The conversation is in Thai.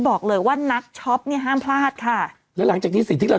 บอกเลยว่านักช็อปเนี่ยห้ามพลาดค่ะแล้วหลังจากนี้สิ่งที่เรา